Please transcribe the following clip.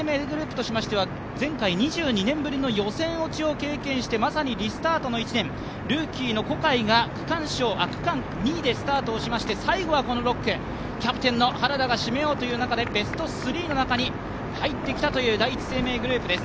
前回２２年ぶりの予選落ちを経験して、まさにリスタートの一年ルーキーの小海が区間２位でスタートをしまして最後はこの６区、キャプテンの原田が締めようという中でベスト３の中に入ってきたという第一生命グループです。